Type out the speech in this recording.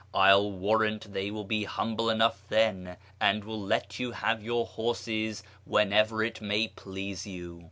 I'll warrant they will be Immble enough then, and will let you have your horses whenever it may please you."